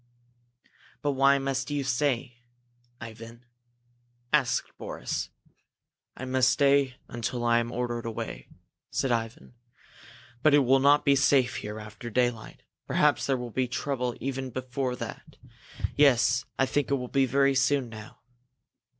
"But why must you stay, Ivan?" asked Boris. "I must stay until I am ordered away," said Ivan. "But it will not be safe here after daylight perhaps there will be trouble even before that. Yes, I think it will be very soon now."